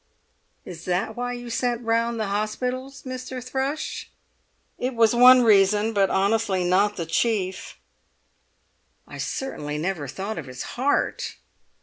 "Is that why you sent round the hospitals, Mr. Thrush?" "It was one reason, but honestly not the chief." "I certainly never thought of his heart!"